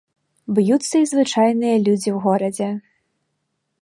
Б'юцца і звычайныя людзі ў горадзе.